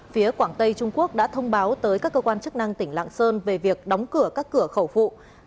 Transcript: phía quảng tây trung quốc đã thông báo tới các cơ quan chức năng tỉnh lạng sơn về việc đóng cửa các cửa khẩu phụ